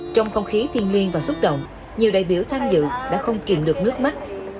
trong không khí thiên nhiên và xúc động nhiều đại biểu tham dự đã không kìm được nước mắt